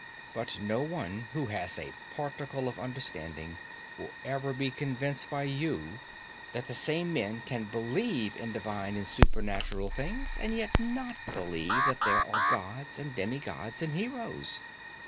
But no one who has a particle of understanding will ever be convinced by you that the same men can believe in divine and superhuman things, and yet not believe that there are gods and demigods and heroes.